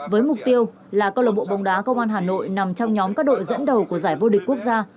với mục tiêu là câu lạc bộ bóng đá công an hà nội nằm trong nhóm các đội dẫn đầu của giải vô địch quốc gia